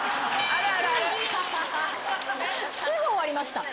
すぐ終わりました。